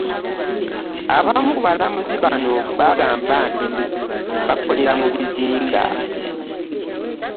Abamu ku balamuzi bano bagamba nti bakolera mu bizinga.